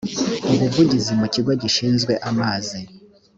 ubuvugizi mu kigo gishinzwe amazi